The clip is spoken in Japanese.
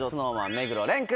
目黒蓮君